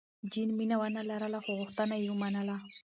جین مینه ونه لرله، خو غوښتنه یې ومنله.